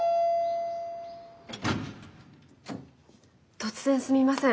突然すみません。